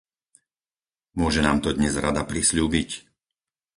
Môže nám to dnes Rada prisľúbiť?